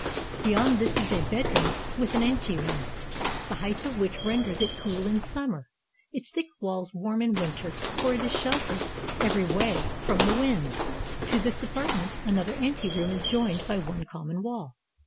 Beyond this is a bedroom with an anteroom, the height of which renders it cool in summer, its thick walls warm in winter, for it is sheltered, every way, from the winds. To this apartment another ante room is joined by one common wall.